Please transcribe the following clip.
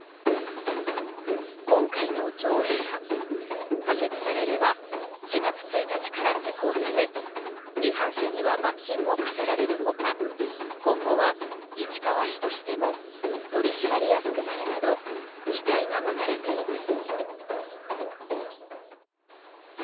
今回の条例案、可決されれば４月１日から施行され違反者には罰金も科せられる他今後は市川市としても取り締まりやすくなるなど期待が持たれています。